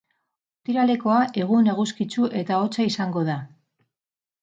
Ostiralekoa egun eguzkitsu eta hotza izango da.